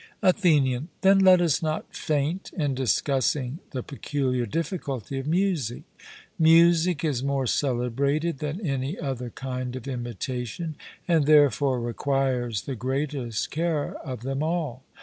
ATHENIAN: Then let us not faint in discussing the peculiar difficulty of music. Music is more celebrated than any other kind of imitation, and therefore requires the greatest care of them all.